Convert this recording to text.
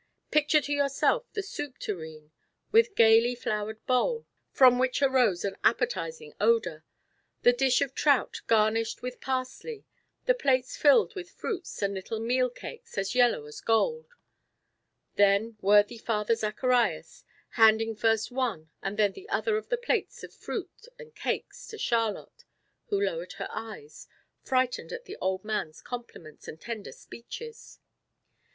Picture to yourself the soup tureen, with gayly flowered bowl, from which arose an appetising odor, the dish of trout garnished with parsley, the plates filled with fruits and little meal cakes as yellow as gold; then worthy Father Zacharias, handing first one and then the other of the plates of fruit and cakes to Charlotte, who lowered her eyes, frightened at the old man's compliments and tender speeches.